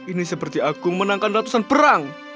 ini seperti agung menangkan ratusan perang